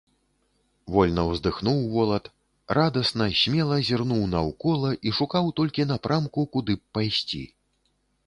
Вольна ўздыхнуў волат, радасна, смела зірнуў наўкола і шукаў толькі напрамку, куды б пайсці.